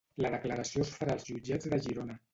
La declaració es farà als jutjats de Girona